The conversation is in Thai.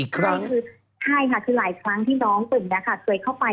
๓๔ครั้งใช่ค่ะคือหลายครั้งที่น้องปึ่งเคยเข้าไป